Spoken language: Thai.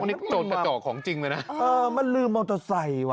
วันนี้โจทย์กระเจาะของจริงเลยนะเออมันลืมเอาจะใส่ว่ะ